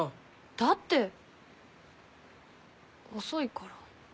だって遅いから。